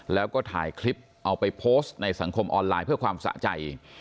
แล้วก็ถ่ายคลิปเอาไปโพสต์ในสังคมออนไลน์เพื่อความสะใจ